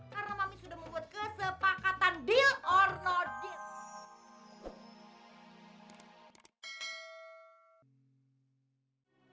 karena mami sudah membuat kesepakatan deal or no deal